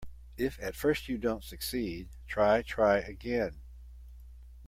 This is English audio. If at first you don't succeed, try, try again.